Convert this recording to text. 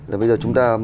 là bây giờ chúng ta